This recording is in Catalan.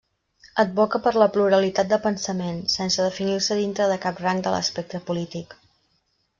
Advoca per la pluralitat de pensament, sense definir-se dintre de cap rang de l'espectre polític.